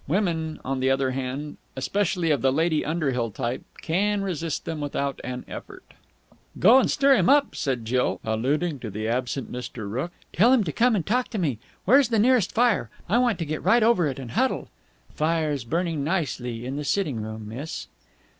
Women, on the other hand, especially of the Lady Underhill type, can resist them without an effort. "Go and stir him up," said Jill, alluding to the absent Mr. Rooke. "Tell him to come and talk to me. Where's the nearest fire? I want to get right over it and huddle." "The fire's burning nicely in the sitting room, miss."